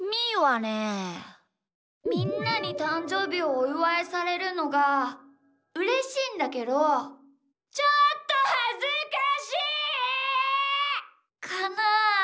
みんなにたんじょうびをおいわいされるのがうれしいんだけどちょっとはずかしい！かな？